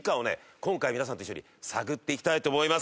今回皆さんと一緒に探っていきたいと思います。